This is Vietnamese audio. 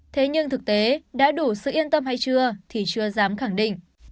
thế nhưng thực tế đã đủ sự yên tâm hay chưa thì chưa dám khẳng định